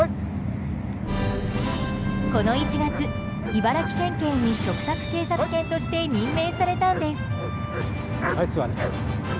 この１月、茨城県警に嘱託警察犬として任命されたんです。